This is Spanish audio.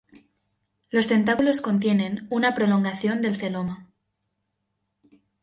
Los tentáculos contienen una prolongación del celoma.